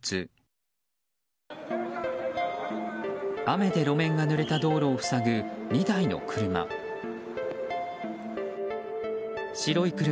雨で路面がぬれた道路を塞ぐ２台の車。